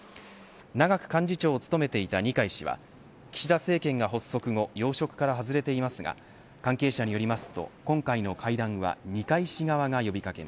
長く幹事長を務めていた二階氏は岸田政権が発足後要職から外れていますが関係者によります